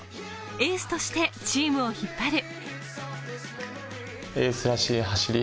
エースとしてチームを引っ張る。